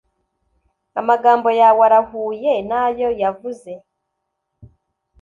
amagambo yawe arahuye nayo yavuze